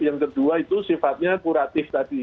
yang kedua itu sifatnya kuratif tadi